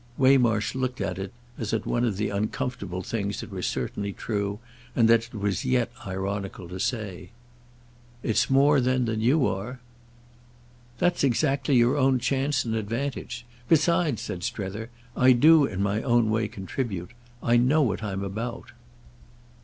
Waymarsh looked at it as at one of the uncomfortable things that were certainly true and that it was yet ironical to say. "It's more then than you are." "That's exactly your own chance and advantage. Besides," said Strether, "I do in my way contribute. I know what I'm about."